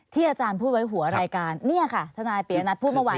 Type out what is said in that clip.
ที่อาจารย์พูดไว้หัวรายการนี่ค่ะนักทนายเปียรันดร์พูดเมื่อวัน